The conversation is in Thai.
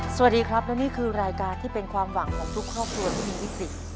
สวัสดีครับและนี่คือรายการที่เป็นความหวังของทุกครอบครัวที่มีวิกฤต